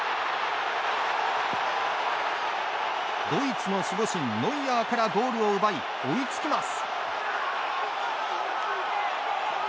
ドイツの守護神、ノイアーからゴールを奪い、追いつきます。